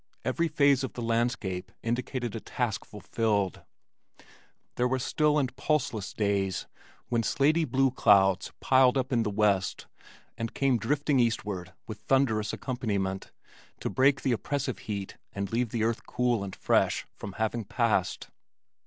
Every phase of the landscape indicated a task fulfilled. There were still and pulseless days when slaty blue clouds piled up in the west and came drifting eastward with thunderous accompaniment, to break the oppressive heat and leave the earth cool and fresh from having passed.